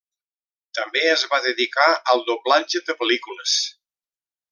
També es va dedicar al doblatge de pel·lícules.